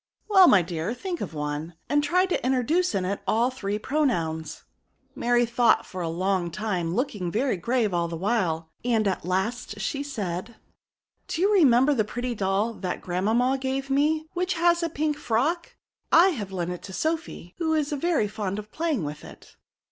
Well, my dear, think of one ; and try to introduce in it all the three pronouns." Mary thought for a long time, looking veiy grave all the while, and at last she said —" Do you remember the pretty doll that grandmamma gave me, which has a pink fi^ck ? I have lent it to Sophy, who is very fond of playing with it.